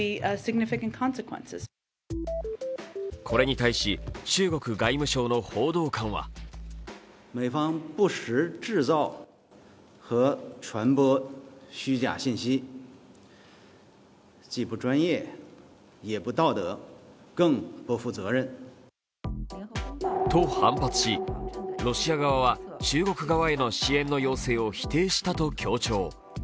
これに対し中国外務省の報道官はと反発し、ロシア側は中国側への支援の要請を否定したと強調。